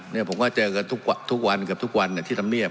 เนี่ยผมก็เจอกันทุกวันเกือบทุกวันเนี่ยที่ทำเรียบ